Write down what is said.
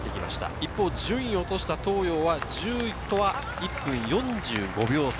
一方、順位を落とした東洋は１０位とは１分４５秒差。